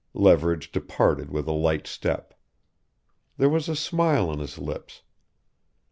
Leverage departed with a light step. There was a smile on his lips.